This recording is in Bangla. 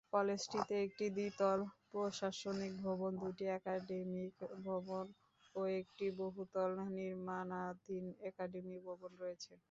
কলেজটিতে একটি দ্বিতল প্রশাসনিক ভবন দুটি একাডেমিক ভবন ও একটি বহুতল নির্মাণাধীন একাডেমিক ভবন রয়েছে।